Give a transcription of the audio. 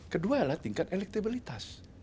kedua adalah tingkat elektibilitas